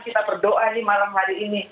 kita berdoa di malam hari ini